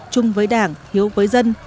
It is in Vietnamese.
chung với đảng hiếu với dân